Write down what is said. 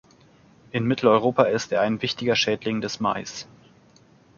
In Mitteleuropa ist er ein wichtiger Schädling des Mais.